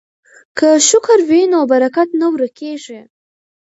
که شکر وي نو برکت نه ورکیږي.